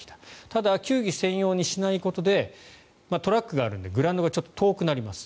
ただ、球技専用にしないことでトラックがあるんでグラウンドがちょっと遠くなります。